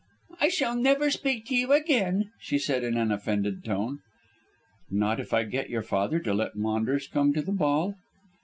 "I shall never speak to you again," she said in an offended tone. "Not if I get your father to let Maunders come to the ball?"